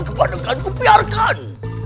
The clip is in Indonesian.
keponakan ku biarkan